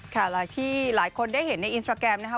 หลายที่หลายคนได้เห็นในอินสตราแกรมนะคะ